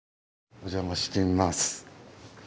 お邪魔してみます。